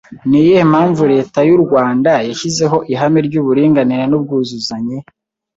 Ni iyihe impamvu Leta y’u Rwanda yashyizeho ihame ry’uburinganire n’ubwuzuzanye